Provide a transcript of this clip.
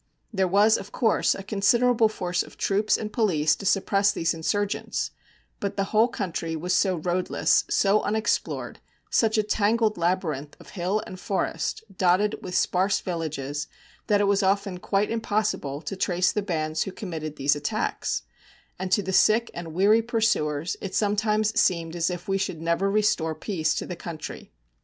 There was, of course, a considerable force of troops and police to suppress these insurgents, but the whole country was so roadless, so unexplored, such a tangled labyrinth of hill and forest, dotted with sparse villages, that it was often quite impossible to trace the bands who committed these attacks; and to the sick and weary pursuers it sometimes seemed as if we should never restore peace to the country.